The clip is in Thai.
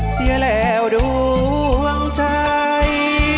เสียแล้วดวงใจ